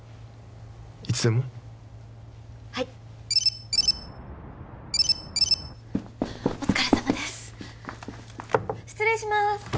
はいお疲れさまです失礼します